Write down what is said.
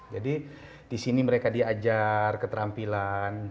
jadi di sini mereka diajar keterampilan